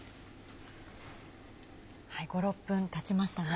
５６分たちましたね。